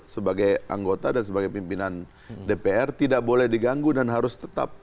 sebagai anggota dan sebagai pimpinan dpr tidak boleh diganggu dan harus tetap